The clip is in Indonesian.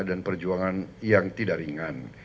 dan perjuangan yang tidak ringan